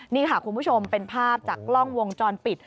นี่ค่ะคุณผู้ชมเป็นภาพจากกล้องวงจรปิด